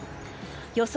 予想